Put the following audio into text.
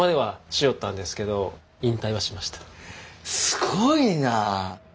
すごいな！